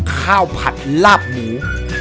ข้าวผัดลาบหมู